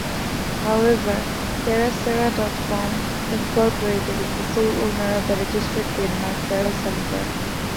However, TerraServer dot com, Incorporated is the sole owner of the registered trademark TerraServer.